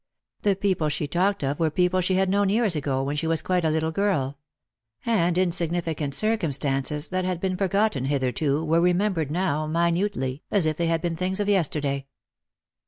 The people she talked of were people she had known years ago, when she was quite a little girl; and in significant circumstances that had been forgotten hitherto were remembered now minutely, as if they had been things of yesterday.